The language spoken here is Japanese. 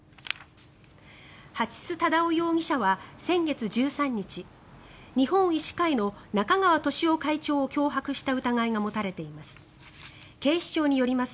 蜂須忠夫容疑者は先月１３日日本医師会の中川俊男会長を脅迫した疑いが持たれています。